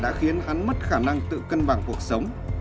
đã khiến hắn mất khả năng tự cân bằng cuộc sống